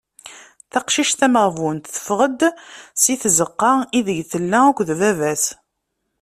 Taqcict tameɣbunt teffeɣ-d si tzeqqa ideg tella akked baba-s.